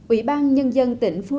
ủy ban nhân dân tỉnh phú trọng